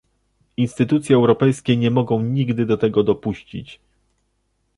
Instytucje europejskie nie mogą nigdy do tego dopuścić